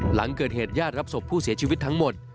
หลังเกิดเหตุญาติรับศพผู้เสียชีวิตทั้งหมด